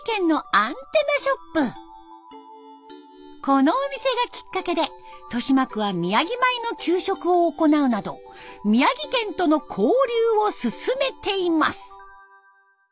このお店がきっかけで豊島区は宮城米の給食を行うなど宮城県との交流を進めています。